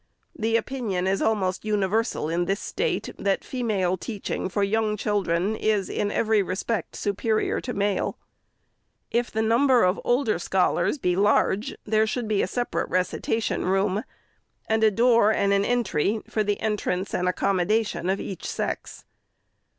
The opinion is almost universal, in this State, that female teaching for young children is. in every respect, superior to male. If the number of the older scholars be large, there should be a separate recitation room, and a door and an entry for the entrance and accommodation of each sex.